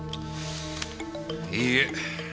いいえ。